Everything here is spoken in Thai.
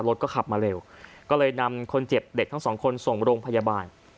รถก็ขับมาเร็วก็เลยนำคนเจ็บเด็กทั้งสองคนส่งโรงพยาบาล